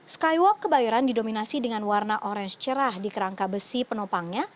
skywalk kebayoran didominasi dengan warna orange cerah di kerangka besi penopangnya